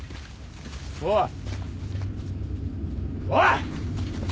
おい。